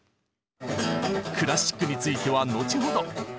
クラシックについては後ほど。